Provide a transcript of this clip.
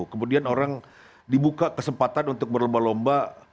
kemudian orang dibuka kesempatan untuk berlomba lomba